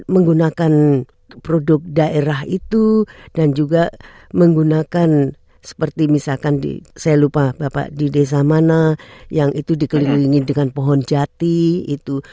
menggunakan produk daerah itu dan juga menggunakan seperti misalkan saya lupa bapak di desa mana yang itu dikelilingi dengan pohon jati itu